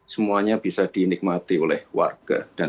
semuanya bisa dinikmati oleh warga dan sekalian